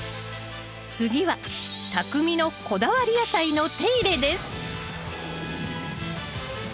次はたくみのこだわり野菜の手入れです